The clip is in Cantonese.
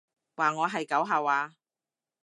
話我係狗吓話？